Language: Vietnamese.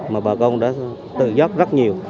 mà bà con đã tự giấc rất nhiều